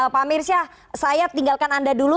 pak mirsyah saya tinggalkan anda dulu